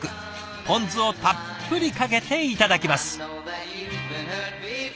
ポン酢をたっぷりかけていただきます！